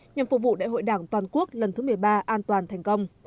nhằm phục vụ đại hội đảng toàn quốc lần thứ một mươi ba an toàn thành công